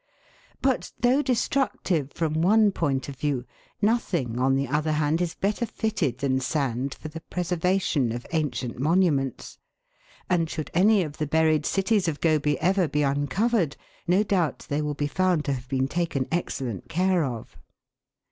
USES OF SAND. 109 But though destructive from one point of view, nothing, on the other hand, is better fitted than sand for the preserva tion of ancient monuments, and should any of the buried cities of Gobi ever be uncovered, no doubt they will be found to have been taken excellent care of.